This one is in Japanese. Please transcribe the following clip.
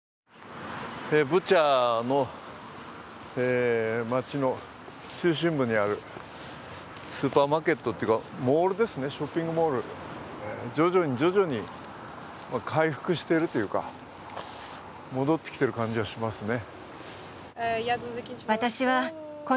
ブチャの街の中心部にあるスーパーマーケットというかモールですね、ショッピングモール徐々に徐々に回復しているというか、戻ってきてる感じはしますね。